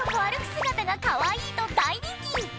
姿がかわいいと大人気！